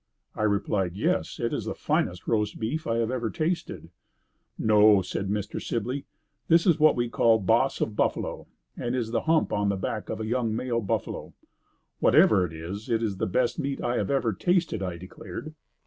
I replied, "Yes, it is the finest roast beef I have ever tasted." "No," said Mr. Sibley, "this is what we call 'boss' of buffalo and is the hump on the back of a young male buffalo." "Whatever it is, it is the best meat I have ever tasted," I declared.